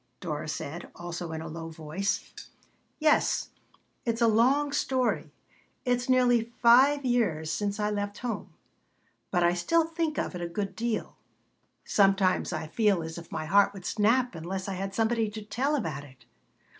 Dora said, also in a low voice "Yes. It is a long story. It is nearly five years since I left home, but I still think of it a good deal. Sometimes I feel as if my heart would snap unless I had somebody to tell about it."